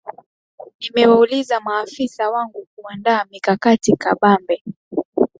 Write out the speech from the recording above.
nimewauliza maafisa wangu kuandaa mikakati kabambe